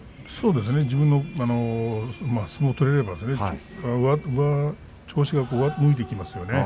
自分の相撲が取れれば調子が上向いてきますよね。